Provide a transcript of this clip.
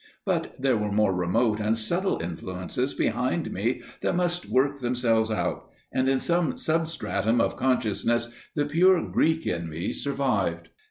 But there were more remote and subtle influences behind me that must work themselves out, and in some sub stratum of consciousness the pure Greek in me survived.